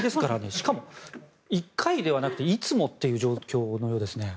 しかも、１回ではなくていつもという状況のようですね。